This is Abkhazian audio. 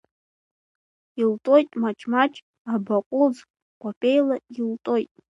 Илтоит маҷ-маҷ абаҟәылӡ, кәапеила илтоит.